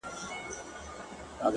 هسې نه ستا آتسي زلفې زما بشر ووهي;